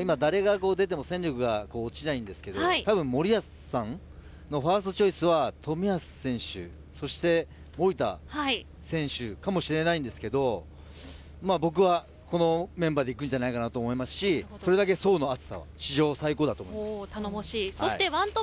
今、誰が出ても戦力が落ちないんですが多分、森保さんのファーストチョイスは冨安選手そして守田選手かもしれないんですが僕はこのメンバーで行くんじゃないかと思いますしそれだけ層の厚さは史上最高だと思います。